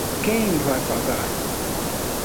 Quem vai gravar?